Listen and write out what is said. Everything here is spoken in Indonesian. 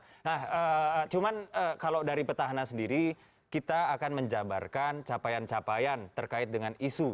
nah cuman kalau dari petahana sendiri kita akan menjabarkan capaian capaian terkait dengan isu